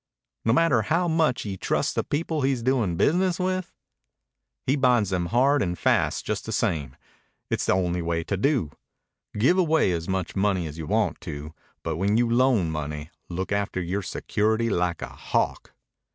"No matter how much he trusts the people he's doing business with?" "He binds them hard and fast just the same. It's the only way to do. Give away as much money as you want to, but when you loan money look after your security like a hawk."